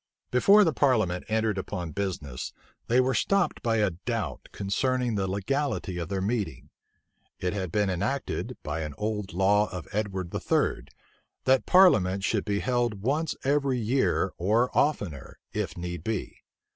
Before the parliament entered upon business, they were stopped by a doubt concerning the legality of their meeting It had been enacted, by an old law of Edward III., "That parliament should be held once every year, or oftener, if need be."